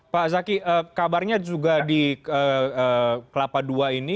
pak zaki kabarnya juga di kelapa dua ini